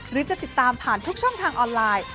หรือจะติดตามผ่านทุกช่องทางออนไลน์